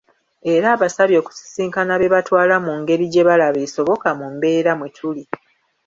Era abasabye okusisinkana be batwala mu ngeri gye balaba esoboka mu mbeera mwe tuli.